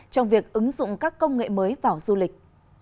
trong việc ứng dụng các công nghệ mới vào du lịch